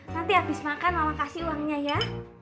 nanti habis makan mama kasih uangnya ya